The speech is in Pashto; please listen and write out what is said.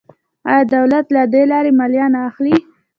آیا دولت له دې لارې مالیه نه اخلي؟